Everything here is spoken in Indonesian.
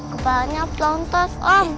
kepalanya pelontos om